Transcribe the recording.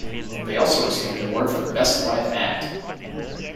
They also received an award for "Best Live Act".